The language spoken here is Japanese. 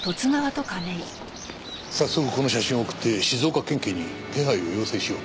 早速この写真を送って静岡県警に手配を要請しよう。